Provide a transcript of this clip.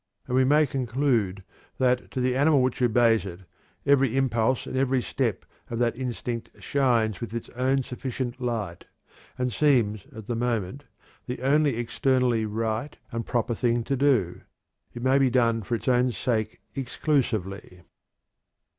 And we may conclude that, to the animal which obeys it, every impulse and every step of that instinct shines with its own sufficient light, and seems at the moment the only externally right and proper thing to do. It may be done for its own sake exclusively."